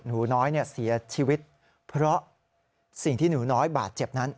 หนูน้อยเสียชีวิตเพราะสิ่งที่หนูน้อยบาดเจ็บนั้น